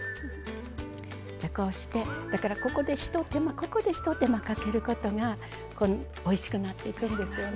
じゃあこうしてだからここでひと手間ここでひと手間かけることがおいしくなっていくんですよね。